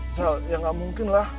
sel ya gak mungkin lah